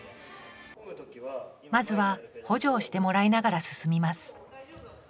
まずは補助をしてもらいながら進みます